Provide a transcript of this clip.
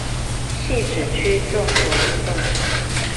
汐止區綜合運動場